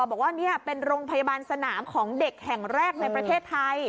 บอกว่านี่เป็นโรงพยาบาลสนามของเด็กแห่งแรกในประเทศไทย